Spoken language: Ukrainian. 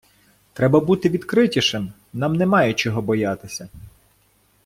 Треба бути відкритішим, нам немає чого боятися.